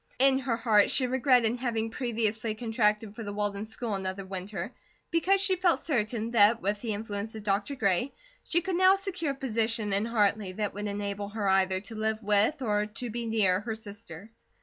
In her heart she regretted having previously contracted for the Walden school another winter because she felt certain that with the influence of Dr. Gray, she could now secure a position in Hartley that would enable her either to live with, or to be near, her sister.